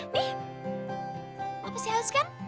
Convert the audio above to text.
nih apa sih haus kan